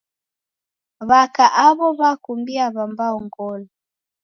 W'aka aw'o w'akumbia w'ambao ngolo.